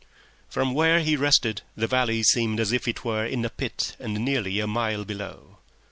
From where he rested the valley seemed as if it were in a pit and nearly a mile below.